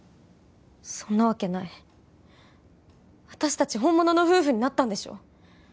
そんなわけない私達本物の夫婦になったんでしょ